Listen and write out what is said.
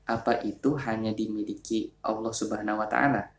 apa itu hanya dimiliki allah swt